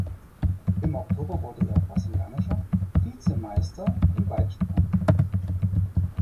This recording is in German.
Im Oktober wurde er Brasilianischer Vizemeister im Weitsprung.